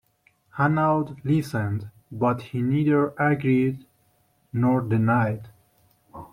Hanaud listened, but he neither agreed nor denied.